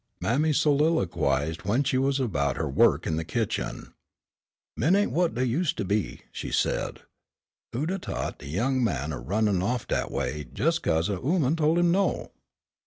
Mammy soliloquized when she was about her work in the kitchen. "Men ain' whut dey used to be," she said, "who'd 'a' t'ought o' de young man a runnin' off dat away jes' 'cause a ooman tol' him no.